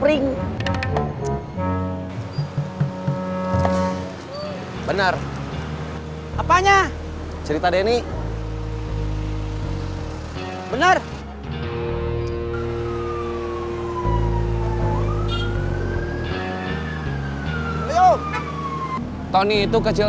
sebulan kita beautiful